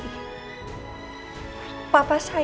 tanpa sebuah perbezaan kok